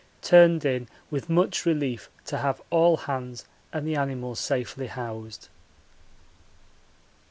Turned in with much relief to have all hands and the animals safely housed.